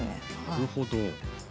なるほど。